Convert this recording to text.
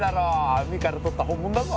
海から取った本物だぞ。